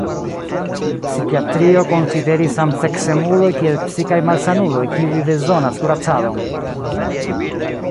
Psikiatrio konsideris samseksemuloj kiel psikaj malsanuloj kiuj bezonas kuracadon.